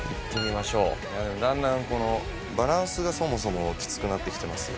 だんだんこのバランスがそもそもきつくなってきてますよ。